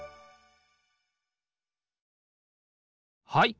はい。